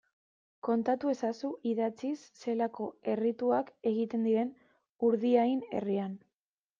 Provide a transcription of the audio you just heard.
Kontatu ezazu idatziz zelako errituak egiten diren Urdiain herrian.